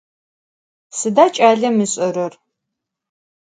Sıda ç'alem ışerer?